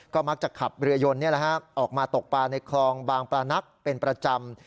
ก็มักจะขับเรือยนออกมาตกปลาในคลองบางปลานักเป็นประจำ